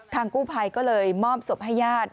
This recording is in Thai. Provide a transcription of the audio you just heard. กู้ภัยก็เลยมอบศพให้ญาติ